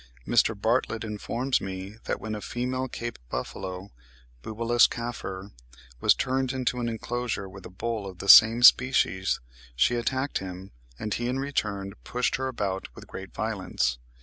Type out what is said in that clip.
Mr. Bartlett informs me that when a female Cape buffalo (Bubalus caffer) was turned into an enclosure with a bull of the same species, she attacked him, and he in return pushed her about with great violence.